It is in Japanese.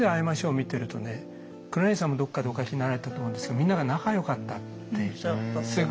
見てるとね黒柳さんもどっかでお書きになられたと思うんですけどみんなが仲よかったって。